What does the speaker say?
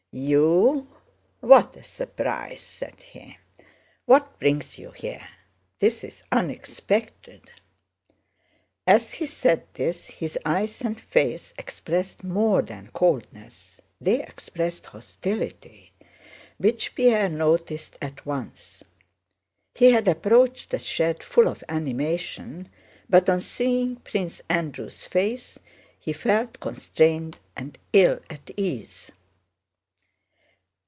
"You? What a surprise!" said he. "What brings you here? This is unexpected!" As he said this his eyes and face expressed more than coldness—they expressed hostility, which Pierre noticed at once. He had approached the shed full of animation, but on seeing Prince Andrew's face he felt constrained and ill at ease.